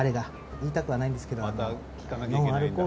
言いたくはないんですけど。